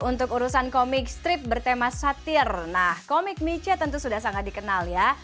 untuk urusan komik strip bertema satir nah komik miece tentu sudah sangat dikenal ya